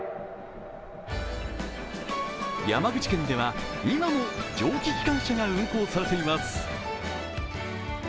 山口県では今も蒸気機関車が運行されています。